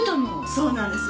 そうなんです。